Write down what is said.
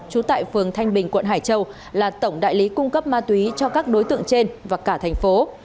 trú tại phường thanh bình quận hải châu là tổng đại lý cung cấp ma túy cho các đối tượng trên và cả thành phố